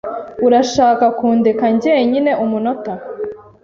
Urashaka kundeka jyenyine umunota?